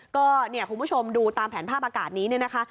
ก็เนี่ยคุณผู้ชมดูตามแผนภาพอากาศนี้เนี่ยนะคะ